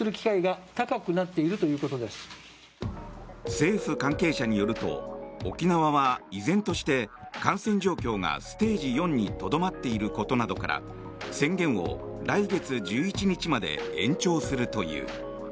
政府関係者によると、沖縄は依然として感染状況がステージ４にとどまっていることなどから宣言を来月１１日まで延長するという。